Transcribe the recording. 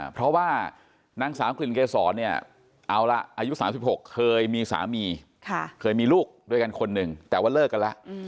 เพราะว่านางสาวกลิ่นเกษรเนี่ยเอาละอายุ๓๖เคยมีสามีเคยมีลูกด้วยกันคนหนึ่งแต่ว่าเลิกกันแล้ว